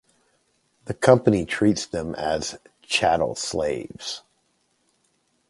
The company treats them as chattel slaves.